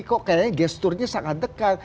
kayaknya gesturnya sangat dekat